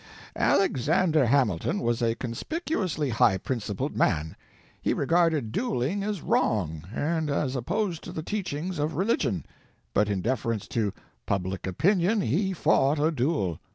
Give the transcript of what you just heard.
Alexander Hamilton was a conspicuously high principled man. He regarded dueling as wrong, and as opposed to the teachings of religion—but in deference to public opinion he fought a duel.